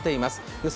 予想